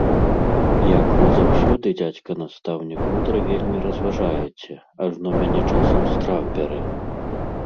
Як вы заўсёды, дзядзька настаўнік, мудра вельмі разважаеце, ажно мяне часам страх бярэ!